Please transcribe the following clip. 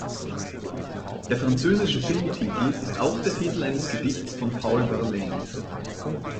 Der französische Filmtitel ist auch der Titel eines Gedichts von Paul Verlaine.